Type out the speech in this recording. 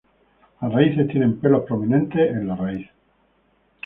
Las raíces tienen pelos prominentes en la raíz.